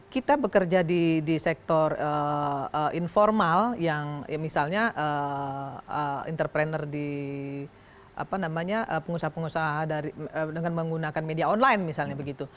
kita bekerja di sektor informal yang misalnya entrepreneur di apa namanya pengusaha pengusaha dengan menggunakan media online misalnya begitu